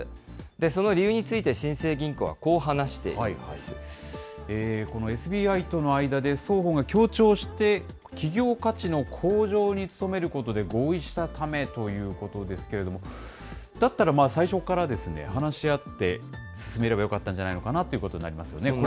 その理由について、新生銀行はここのＳＢＩとの間で、双方が協調して企業価値の向上に努めることで合意したためということですけれども、だったら最初からですね、話し合って進めればよかったんじゃないかなということになりますよね。